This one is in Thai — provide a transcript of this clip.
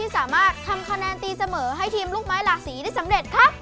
สามารถทำคะแนนตีเสมอให้ทีมลูกไม้ลาศีได้สำเร็จครับ